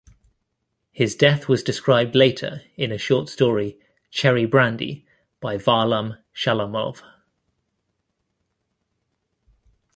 His death was described later in a short story "Cherry Brandy" by Varlam Shalamov.